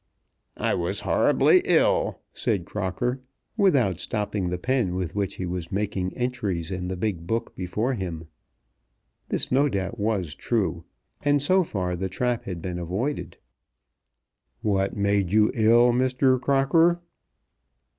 "I was horribly ill," said Crocker, without stopping the pen with which he was making entries in the big book before him. This no doubt was true, and so far the trap had been avoided. "What made you ill, Mr. Crocker?"